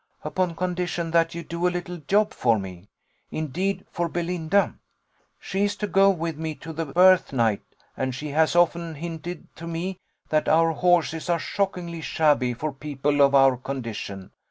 "Upon condition that you do a little job for me indeed for Belinda. She is to go with me to the birth night, and she has often hinted to me that our horses are shockingly shabby for people of our condition.